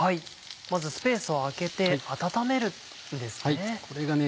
まずスペースを空けて温めるんですね。